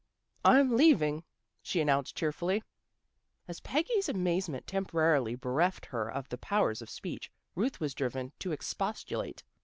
"I'm leaving," she announced cheerfully. As Peggy's amazement temporarily bereft her of the powers of speech, Ruth was driven to expostulate.